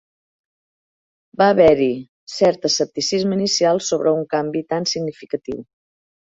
Va haver-hi cert escepticisme inicial sobre un canvi tan significatiu.